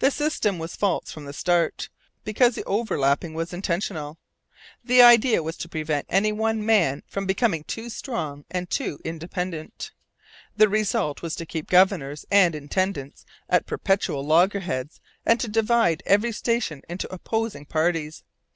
The system was false from the start, because the overlapping was intentional. The idea was to prevent any one man from becoming too strong and too independent. The result was to keep governors and intendants at perpetual loggerheads and to divide every station into opposing parties.